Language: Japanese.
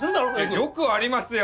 よくありますよ。